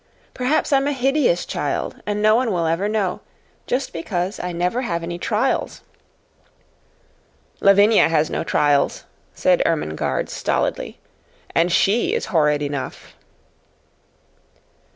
Perhaps I'm a HIDEOUS child, and no one will ever know, just because I never have any trials." "Lavinia has no trials," said Ermengarde, stolidly, "and she is horrid enough."